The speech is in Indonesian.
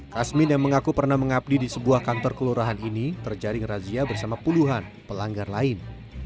kasmin yang mengaku pernah mengabdi di sebuah kantor kelurahan ini terjaring razia bersama puluhan pelanggar lain